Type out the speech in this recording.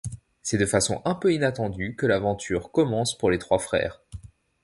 C'est de façon un peu inattendue que l'aventure commence pour les trois frères.